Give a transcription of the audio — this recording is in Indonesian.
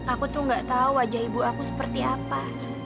aku tuh gak tahu wajah ibu aku seperti apa